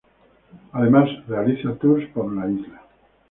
Además, realiza tours por la isla.